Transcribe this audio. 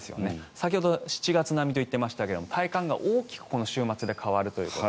先ほど７月並みといってましたが体感が大きく、この週末で変わるということ。